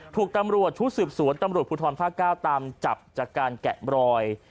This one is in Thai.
ถูกตำรวจชุดสืบสวนตำรวจภูทรภาค๙ตามจับจากการแกะบรอย